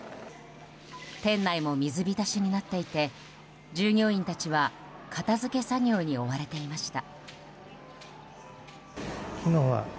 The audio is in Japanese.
店内も水浸しになっていて従業員たちは片づけ作業に追われていました。